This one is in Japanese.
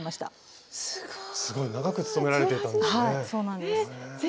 すごい長く勤められていたんですね。